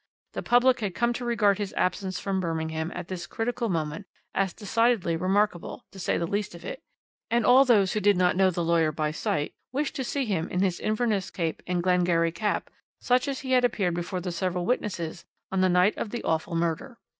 The public had come to regard his absence from Birmingham at this critical moment as decidedly remarkable, to say the least of it, and all those who did not know the lawyer by sight wished to see him in his Inverness cape and Glengarry cap such as he had appeared before the several witnesses on the night of the awful murder.